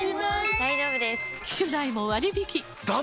大丈夫です！